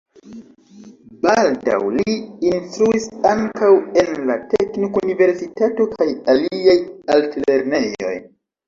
Baldaŭ li instruis ankaŭ en la Teknikuniversitato kaj aliaj altlernejoj.